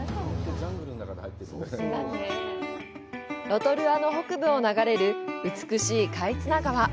ロトルアの北部を流れる美しいカイツナ川。